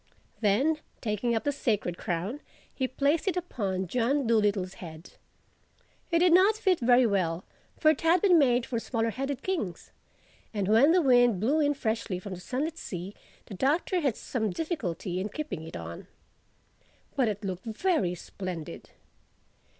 Then taking up the Sacred Crown he placed it upon John Dolittle's head. It did not fit very well (for it had been made for smaller headed kings), and when the wind blew in freshly from the sunlit sea the Doctor had some difficulty in keeping it on. But it looked very splendid.